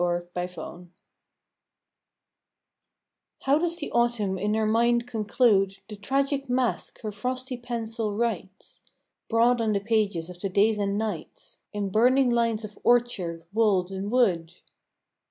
BEFORE THE END How does the Autumn in her mind conclude The tragic masque her frosty pencil writes, Broad on the pages of the days and nights, In burning lines of orchard, wold, and wood?